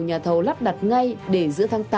nhà thầu lắp đặt ngay để giữa tháng